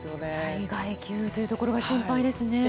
災害級というところが心配ですね。